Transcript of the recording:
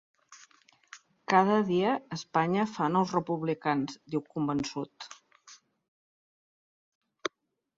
Cada dia Espanya fa nous republicans, diu convençut.